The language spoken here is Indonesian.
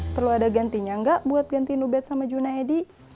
perlu ada gantinya nggak buat gantiin ubed sama junaidy